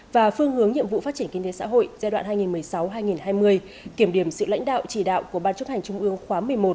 và phương hướng nhiệm vụ phát triển kinh tế xã hội giai đoạn hai nghìn một mươi sáu hai nghìn hai mươi kiểm điểm sự lãnh đạo chỉ đạo của ban chấp hành trung ương khóa một mươi một